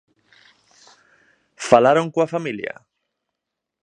¿Falaron coa familia?